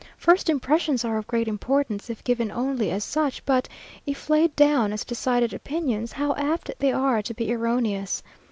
First impressions are of great importance, if given only as such; but if laid down as decided opinions, how apt they are to be erroneous!